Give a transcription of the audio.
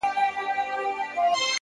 مثبت فکر د ذهن دروازې پرانیزي؛